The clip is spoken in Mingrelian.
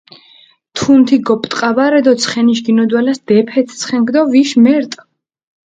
თუნთი გოპტყაბარე დო ცხენიშ გინოდვალას დეფეთჷ ცხენქ დო ვიშ მერტჷ.